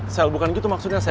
sel bukan gitu maksudnya saya